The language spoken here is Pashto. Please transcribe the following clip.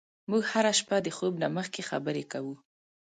موږ هره شپه د خوب نه مخکې خبرې کوو.